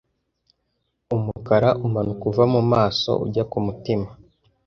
umukara umanuka uva mumaso ujya kumutima